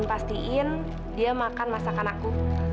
pastiin dia makan masakan aku